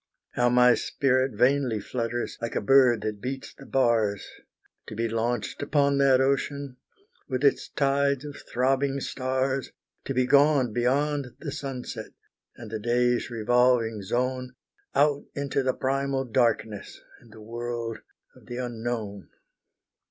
How my spirit vainly flutters, like a bird that beats the bars, To be launched upon that ocean, with its tides of throbbing stars, To be gone beyond the sunset, and the day's revolving zone, Out into the primal darkness, and the world of the unknown!